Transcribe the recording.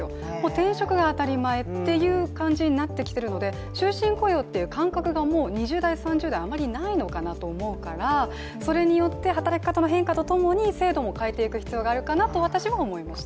転職が当たり前っていう感じになってきているので、終身雇用っていう感覚がもう２０代、３０代にはあまりないのかなと思うから、それによって、働き方の変化とともに制度も変えていく必要があるかなと私は思いました。